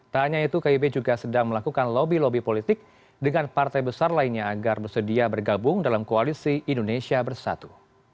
tak hanya itu kib juga sedang melakukan lobby lobby politik dengan partai besar lainnya agar bersedia bergabung dalam koalisi indonesia bersatu